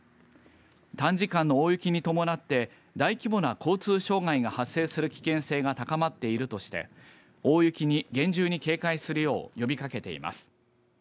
短時間の大雪に伴って大規模な交通障害が発生する危険性が高まっているとして大雪に厳重に警戒するように呼びかけています。